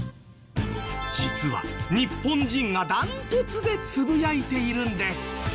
実は日本人がダントツでつぶやいているんです。